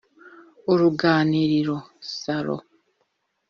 uruganiriro (Salon)